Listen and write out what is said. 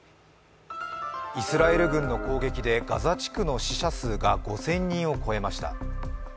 イスラエル軍の攻撃でガザ地区の死者数が５０００人を超えました。